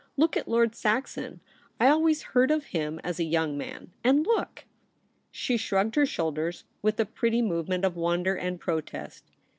Look at Lord Saxon. I always heard of him as a young man — and look !' She shrugged her shoulders with a pretty movement of wonder and protest.